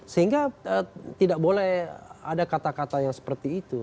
sehingga tidak boleh ada kata kata yang seperti itu